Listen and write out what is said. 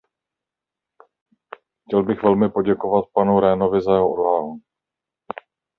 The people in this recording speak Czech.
Chtěl bych velmi poděkovat panu Rehnovi za jeho odvahu.